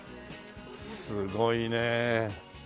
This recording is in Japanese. すごいね。